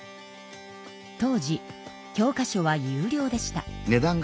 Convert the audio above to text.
当時教科書は有料でした。